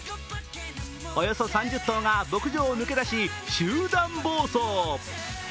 およそ３０頭が牧場を抜け出し、集団暴走。